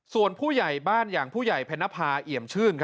ส่วนผู้ใหญ่บ้านอย่างผู้ใหญ่แพนภาเอี่ยมชื่น